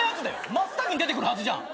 真っ先に出てくるはずじゃん！